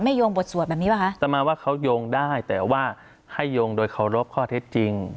โยงบทสวดแบบนี้ป่ะคะจะมาว่าเขาโยงได้แต่ว่าให้โยงโดยเคารพข้อเท็จจริง